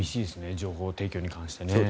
情報提供に関して。